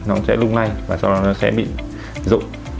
nó cũng sẽ lung lay và sau đó nó sẽ bị rụng